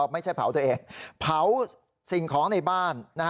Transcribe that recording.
ไม่ใช่เผาตัวเองเผาสิ่งของในบ้าน